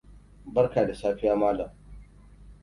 Barka da safiya Mallam!